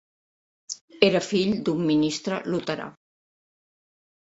Era fill d'un ministre luterà.